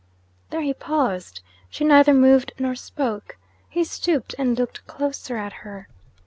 There he paused. She neither moved nor spoke. He stooped and looked closer at her.